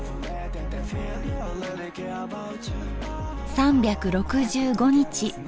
３６５日